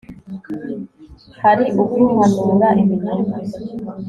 hari uguhanura ibinyoma